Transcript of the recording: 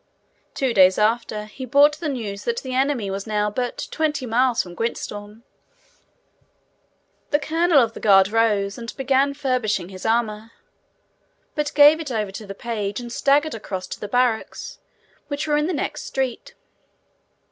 Two days after, he brought the news that the enemy was now but twenty miles from Gwyntystorm. The colonel of the guard rose, and began furbishing his armour but gave it over to the page, and staggered across to the barracks, which were in the next street.